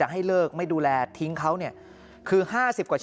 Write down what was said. เหตุผลที่เป็นหมอบอกว่าน่าจะเป็นเพราะคุณพักผ่อนน้อย